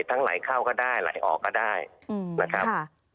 ไหลเข้าก็ได้ไหลออกก็ได้นะครับ